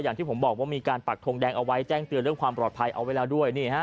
อย่างที่ผมบอกว่ามีการปักทงแดงเอาไว้แจ้งเตือนเรื่องความปลอดภัยเอาไว้แล้วด้วย